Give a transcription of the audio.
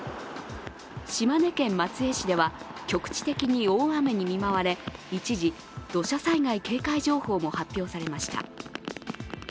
島根県松江市では局地的に大雨に見舞われ、一時、土砂災害警戒情報も発表されました。